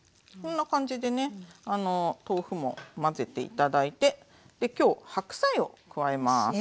こんな感じでね豆腐も混ぜて頂いてで今日白菜を加えます。